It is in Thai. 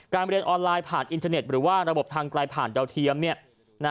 เรียนออนไลน์ผ่านอินเทอร์เน็ตหรือว่าระบบทางไกลผ่านดาวเทียม